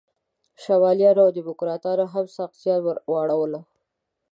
شمالیانو او دیموکراتانو هم سخت زیان ور واړاوه.